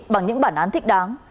bằng những bản án thích đáng